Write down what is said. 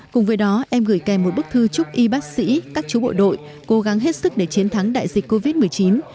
cùng với đó em gửi kèm một bức thư chúc y bác sĩ các chú bộ đội cố gắng hết sức để chiến thắng đại dịch covid một mươi chín